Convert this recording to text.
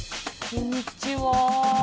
こんにちは。